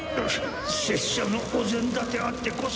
拙者のお膳立てあってこそ。